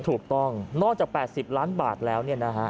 ถูกต้องนอกจาก๘๐ล้านบาทแล้วเนี่ยนะคะ